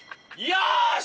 よし！